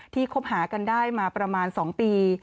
คบหากันได้มาประมาณ๒ปี